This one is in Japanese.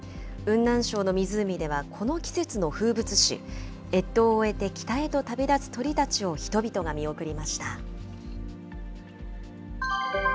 雲南省の湖では、この季節の風物詩、越冬を終えて北へと旅立つ鳥たちを、人々が見送りました。